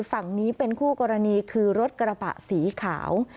ฝั่งนี้เป็นคู่กรณีคือรถกระบะสีขาว